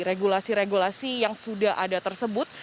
regulasi regulasi yang sudah ada tersebut